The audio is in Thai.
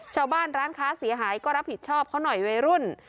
ร้านค้าเสียหายก็รับผิดชอบเขาหน่อยวัยรุ่น